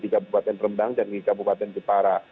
dikabupaten rembang dan dikabupaten jepara